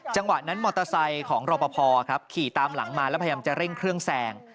จังหวะนั้นมอเตอร์ไซค์ของรอปภครับขี่ตามหลังมาแล้วพยายามจะเร่งเครื่องแซง